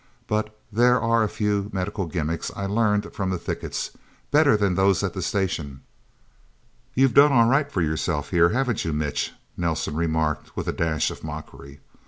But there are a few medical gimmicks I learned from the thickets better than those at the Station." "You've done all right for yourself here, haven't you, Mitch?" Nelsen remarked with a dash of mockery.